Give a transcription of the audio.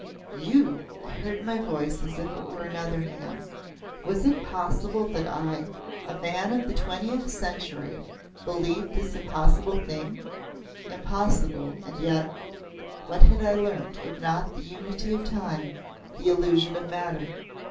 "You!" I heard my voice as if it were another man's. Was it possible that I a man of the twentieth century, believed this impossible thing? Impossible, and yet what had I learnt if not the unity of Time, the illusion of matter?